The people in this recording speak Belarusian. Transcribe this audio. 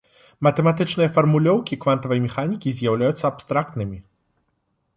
Матэматычныя фармулёўкі квантавай механікі з'яўляюцца абстрактнымі.